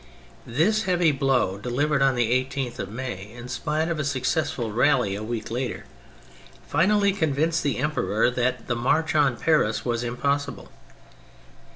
This heavy blow, delivered on the 18th of May, in spite of a successful rally a week later, finally convinced the Emperor that the march on Paris was impossible.